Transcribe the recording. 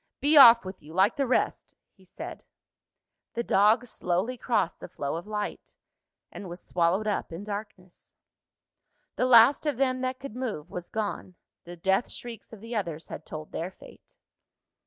"Be off with you, like the rest!" he said. The dog slowly crossed the flow of light, and was swallowed up in darkness. The last of them that could move was gone. The death shrieks of the others had told their fate.